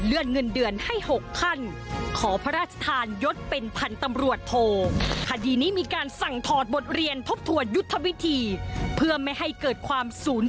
เลื่อนเงินเดือนให้หกขั้น